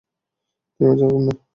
থেমে থাকবেন না!